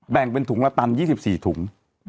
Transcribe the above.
แบ่งเป็นถุงละตัน๒๔ถุง